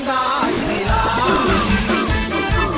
ร้องได้ให้ร้อง